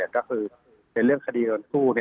ก็คือในเรื่องคดีเงินกู้